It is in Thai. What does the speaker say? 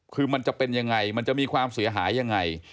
คือมันจะเป็นยังไงมันจะมีความเสียหายยังไง